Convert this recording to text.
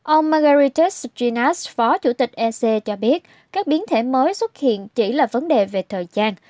ông margarys ginas phó chủ tịch ec cho biết các biến thể mới xuất hiện chỉ là vấn đề về thời gian